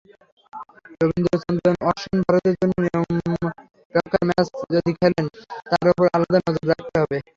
রবিচন্দ্রন অশ্বিনভারতের জন্য নিয়মরক্ষার ম্যাচে যদি খেলেন, তাঁর ওপর আলাদা নজর রাখতে হবে।